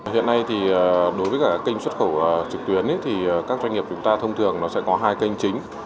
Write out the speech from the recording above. hiện nay thì đối với cả kênh xuất khẩu trực tuyến thì các doanh nghiệp chúng ta thông thường nó sẽ có hai kênh chính